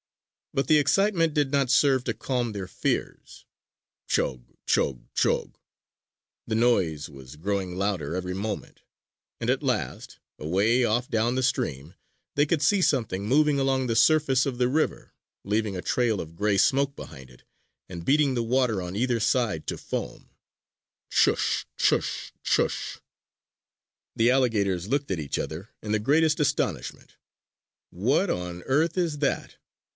But the excitement did not serve to calm their fears. Chug! Chug! Chug! The noise was growing louder every moment; and at last, away off down the stream, they could see something moving along the surface of the river, leaving a trail of gray smoke behind it and beating the water on either side to foam: Chush! Chush! Chush! The alligators looked at each other in the greatest astonishment: "What on earth is that?"